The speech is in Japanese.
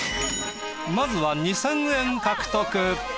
まずは２，０００円獲得。